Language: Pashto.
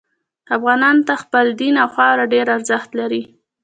افغانانو ته خپل دین او خاوره ډیر ارزښت لري